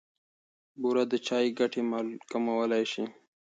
بوره د چای ګټې کمولای شي.